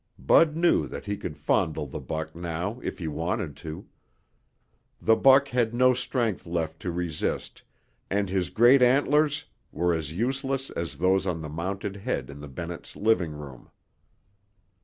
Bud knew that he could fondle the buck now if he wanted to. The buck had no strength left to resist and his great antlers were as useless as those on the mounted head in the Bennetts' living room.